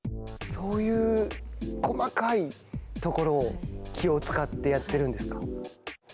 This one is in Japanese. そういう細かいところを気を使ってやっているんですか。